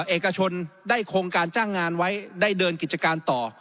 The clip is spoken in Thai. เอกชนได้โครงการจ้างงานไว้ได้เดินกิจการต่อ